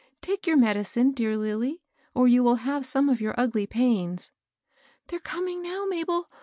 Take your medicine, dear Lilly, or you will have some of your ugly pains." ^They're coming now, Mabel